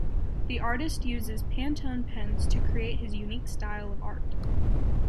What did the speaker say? The artist uses Pantone pens to create his unique style of art.